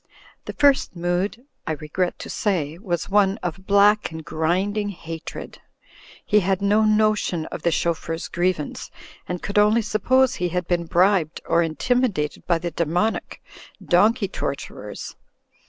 The First Mood, I regret to say, was one of black and grinding hatred. He had no notion of the chauf feur's grievance, and could only suppose he had been bribed or intimidated by the demonic donkey tor turers.